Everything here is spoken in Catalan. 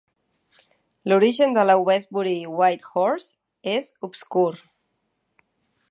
L"origen de la Westbury White Horse és obscur.